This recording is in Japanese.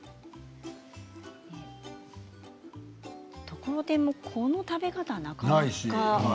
ところてんもこの食べ方はなかなか。